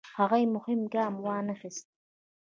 هغوی مهم ګام وانخیست.